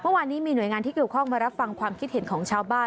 เมื่อวานนี้มีหน่วยงานที่เกี่ยวข้องมารับฟังความคิดเห็นของชาวบ้าน